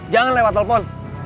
jangan lewat telepon